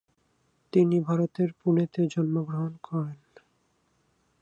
তিনি ভারতের পুনেতে জন্মগ্রহণ করেন।